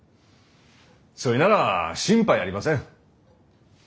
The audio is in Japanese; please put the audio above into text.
そいなら心配ありません。